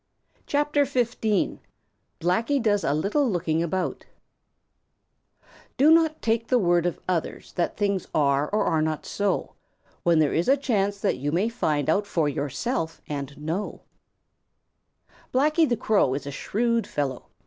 CHAPTER XV: Blacky Does A Little Looking About Do not take the word of others That things are or are not so When there is a chance that you may Find out for yourself and know. Blacky the Crow. Blacky the Crow is a shrewd fellow.